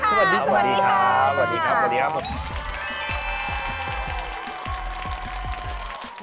สวัสดีค่ะสวัสดีครับสวัสดีครับสวัสดีครับสวัสดีครับสวัสดีครับสวัสดีครับสวัสดีครับ